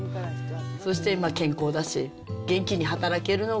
そして健康だし、元気に働けるのが、